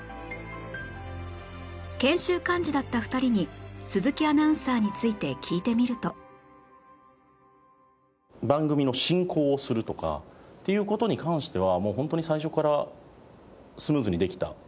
研修幹事だった２人に鈴木アナウンサーについて聞いてみるとという事に関しては。